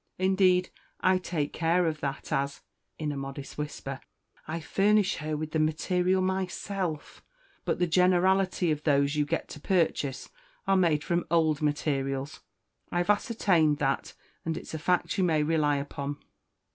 Indeed, I take care of that, as" (in a modest whisper) "I furnish her with the material myself; but the generality of those you get to purchase are made from old materials. I've ascertained that, and it's a fact you may rely upon."